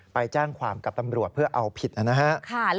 ไปแจ้งความกับตำรวจเพื่อเอาผิดนะครับ